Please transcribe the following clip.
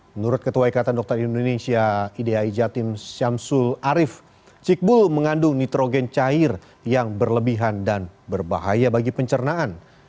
menurut ketua ikatan dokter indonesia idai jatim syamsul arief cikbul mengandung nitrogen cair yang berlebihan dan berbahaya bagi pencernaan